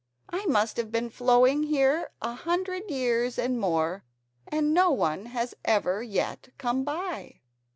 I must have been flowing here a hundred years and more and no one has ever yet come by."